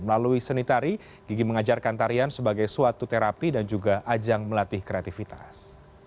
melalui seni tari gigi mengajarkan tarian sebagai suatu terapi dan juga ajang melatih kreativitas